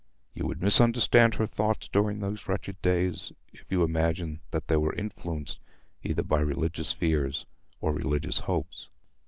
You would misunderstand her thoughts during these wretched days, if you imagined that they were influenced either by religious fears or religious hopes.